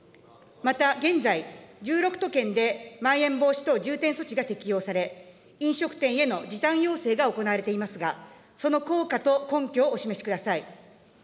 また、現在、１６都県でまん延防止等重点措置が適用され、飲食店への時短要請が行われていますが、その効果と根拠をお示しください。